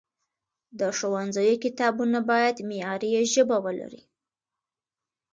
د ښوونځیو کتابونه باید معیاري ژبه ولري.